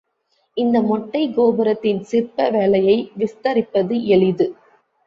இந்த மொட்டைக் கோபுரத்தின் சிற்ப வேலையை விஸ்தரிப்பது எளிது.